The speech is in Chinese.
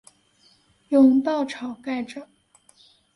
用稻草盖著